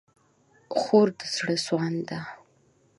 خور د زړه سوانده ده.